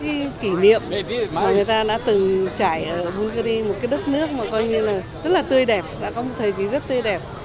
cái kỷ niệm mà người ta đã từng trải ở bungary một cái đất nước mà coi như là rất là tươi đẹp đã có một thời kỳ rất tươi đẹp